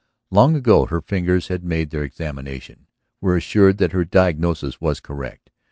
Long ago her fingers had made their examination, were assured that her diagnosis was correct.